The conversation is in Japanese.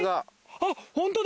あっホントだ！